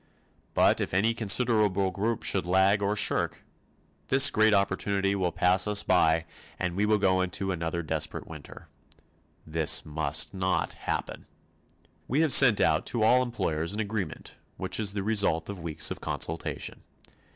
But if any considerable group should lag or shirk, this great opportunity will pass us by and we will go into another desperate winter. This must not happen. We have sent out to all employers an agreement which is the result of weeks of consultation.